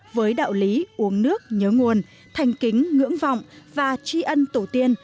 với đạo lý uống nước nhớ nguồn thành kính ngưỡng vọng và tri ân tổ tiên